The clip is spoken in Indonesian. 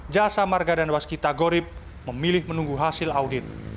jasa marga dan waskita gorip memilih menunggu hasil audit